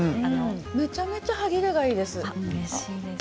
めちゃめちゃ歯切れがいいです。